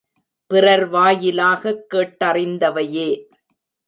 பிறர் வாயிலாகக் கேட்டறிந்தவையே.